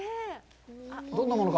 どんなものか。